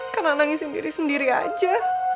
karena nangisin diri sendiri aja